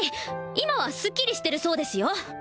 今はスッキリしてるそうですよ